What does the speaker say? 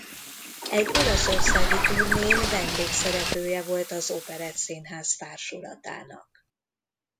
Egy olaszországi turnén vendégszereplője volt az Operettszínház társulatának.